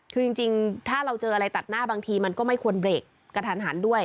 คือจริงถ้าเราเจออะไรตัดหน้าบางทีมันก็ไม่ควรเบรกกระทันหันด้วย